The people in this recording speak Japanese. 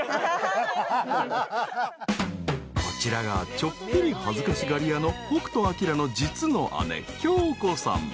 ［こちらがちょっぴり恥ずかしがり屋の北斗晶の実の姉］